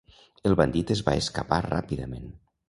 El bandit es va escapar ràpidament.